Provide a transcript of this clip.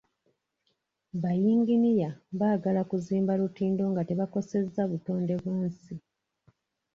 Ba yinginiya baagala kuzimba lutindo nga tebakosezza butonde bwa nsi.